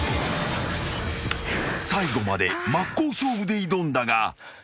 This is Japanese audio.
［最後まで真っ向勝負で挑んだが散った］